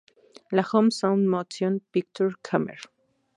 La home sound motion-picture camera.